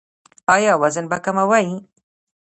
ایا وزن به کموئ؟